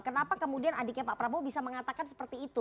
kenapa kemudian adiknya pak prabowo bisa mengatakan seperti itu